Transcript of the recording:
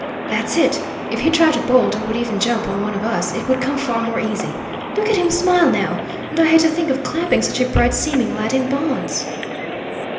"That's it! If he'd try to bolt, or would even jump on one of us, it would come far more easy. Look at him smile, now! And I hate to think of clapping such a bright seeming lad in bonds!"